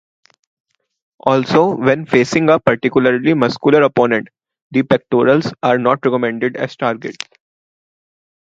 Also, when facing a particularly muscular opponent, the pectorals are not recommended as targets.